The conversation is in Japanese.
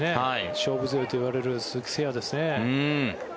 勝負強いといわれる鈴木誠也ですね。